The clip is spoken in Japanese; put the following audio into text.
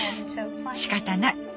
しかたない！